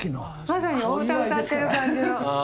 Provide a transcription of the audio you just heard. まさにお歌歌ってる感じの。